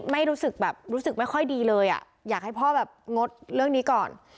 ไม่รู้สึกแบบรู้สึกไม่ค่อยดีเลยอ่ะอยากให้พ่อแบบงดเรื่องนี้ก่อน